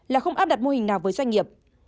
là không áp đặt mô hình nào với doanh nghiệp